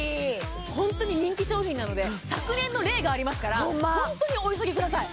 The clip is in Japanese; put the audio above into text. ホントに人気商品なので昨年の例がありますからホントにお急ぎください